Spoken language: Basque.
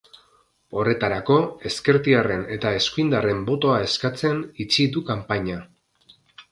Horretarako, ezkertiarren eta eskuindarren botoa eskatzen itxi du kanpaina.